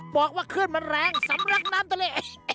บอกว่าคลื่นมันแรงสำหรับน้ำทะเล